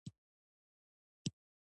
انار د افغانستان د طبیعت د ښکلا برخه ده.